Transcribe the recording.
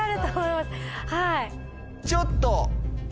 ちょっと。